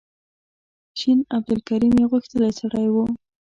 شین عبدالکریم یو غښتلی سړی و.